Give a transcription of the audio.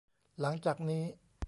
หลังจากนี้